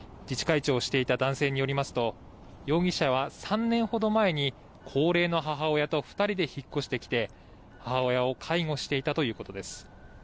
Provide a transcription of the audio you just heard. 自治会長をしていた男性によりますと容疑者は３年ほど前に高齢の母親と２人で引っ越してきて母親を介護していたということです。